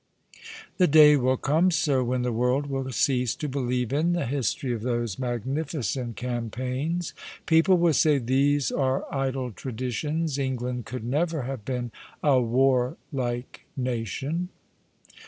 The day will come, sir, when the world will cease to believe in the history of those magnificent cam paigns. People will say, 'These are idle traditions. England could never have been a warlike nation.'